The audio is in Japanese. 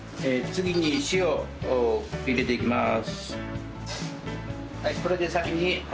次に豚肉を入れていきます。